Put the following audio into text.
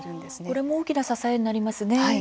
これも大きな支えになりますね。